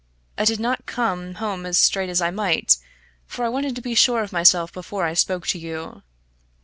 I did not come home as straight as I might for I wanted to be sure of myself before I spoke to you.